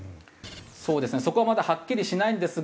そうですねそこはまだはっきりしないんですが